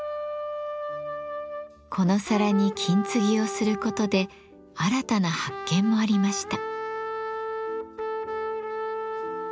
この皿に金継ぎをすることで新たな発見もありました。